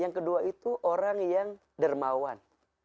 yang kedua itu orang yang dermawan